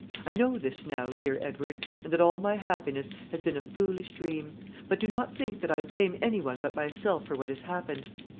I know this now, dear Edward, and that all my happiness has been a foolish dream; but do not think that I blame any one but myself for what has happened.